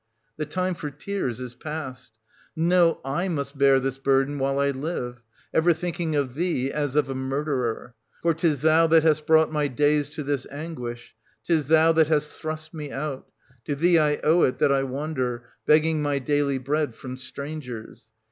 The 1360 time for tears is past : no, / must bear this burden while I live, ever thinking of thee as of a murderer; for 'tis * thou that hast brought my days to this anguish, 'tis thou that hast thrust me out; to thee I owe it that I wander, begging my daily bread from strangers.